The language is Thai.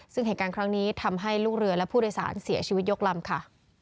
ซึ่งเหตุการณ์ครั้งนี้ทำให้ลูกเรือและผู้โดยสารเสียชีวิตยกลำค่ะ